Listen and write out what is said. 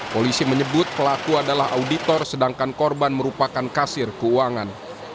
polisi menyebut pelaku adalah auditor sedangkan korban merupakan kasir keuangan